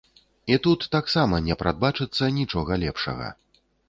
І тут таксама не прадбачыцца нічога лепшага.